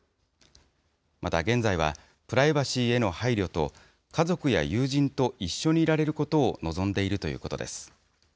また現在は、プライバシーへの配慮と、家族や友人と一緒にいられることを望んでいるということです。